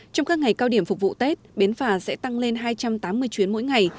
trong các ngày cao điểm phục vụ tết bến phà sẽ tăng lên hai trăm tám mươi chuyến mỗi ngày